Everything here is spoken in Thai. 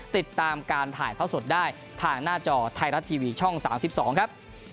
ติดตามการถ่ายท่อสดได้ทางหน้าจอไทยรัฐทีวีช่อง๓๒ครับ